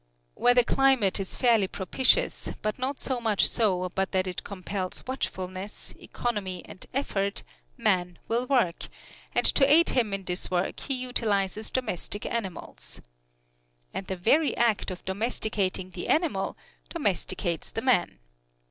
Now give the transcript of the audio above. Where the climate is fairly propitious, but not so much so but that it compels watchfulness, economy and effort, man will work, and to aid him in his work he utilizes domestic animals. And the very act of domesticating the animal domesticates the man.